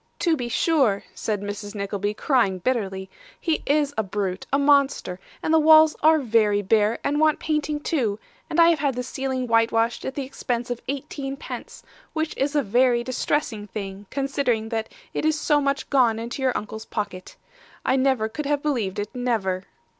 'To be sure,' said Mrs. Nickleby, crying bitterly, 'he is a brute, a monster; and the walls are very bare, and want painting too, and I have had this ceiling whitewashed at the expense of eighteen pence, which is a very distressing thing, considering that it is so much gone into your uncle's pocket. I never could have believed it never.